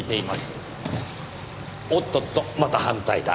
おっとっとまた反対だ。